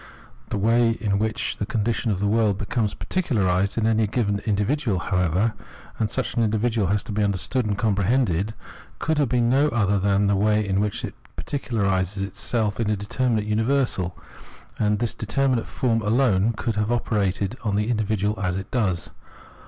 The way in which the condition of the world becomes particularised in any given individual, however — and such an individual has to be understood and compre hended — could have been no other than the way in which it particularises itself as a determinate universal, and in this determinate form alone could it have operated on the individual as it does.